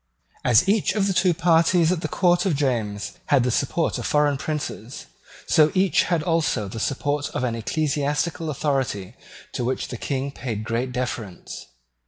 As each of the two parties at the Court of James had the support of foreign princes, so each had also the support of an ecclesiastical authority to which the King paid great deference.